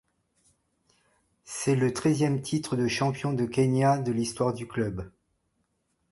C'est le seizième titre de champion du Kenya de l'histoire du club.